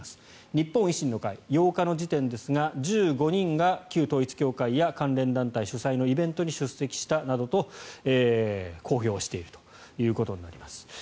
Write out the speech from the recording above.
日本維新の会、８日の時点ですが１５人が旧統一教会や関連団体主催のイベントに出席したなどと公表しているということになります。